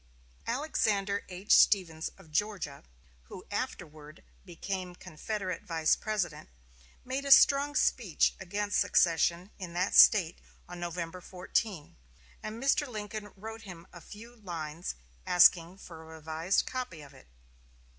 Alexander H. Stephens of Georgia, who afterward became Confederate Vice President, made a strong speech against secession in that State on November 14; and Mr. Lincoln wrote him a few lines asking for a revised copy of it.